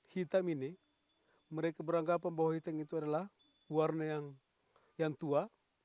hitam ini mereka beranggapan bahwa hitam itu adalah warna yang tua